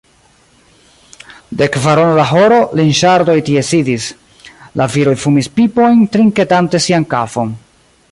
De kvarono da horo, Linŝardoj tie sidis: la viroj fumis pipojn, trinketante sian kafon.